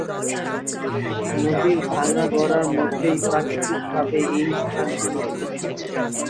নদীর ভাঙা-গড়ার মধ্যেই প্রাকৃতিকভাবে এই স্থানটির উৎপত্তি।